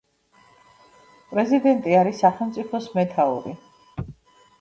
პრეზიდენტი არის სახელმწიფოს მეთაური.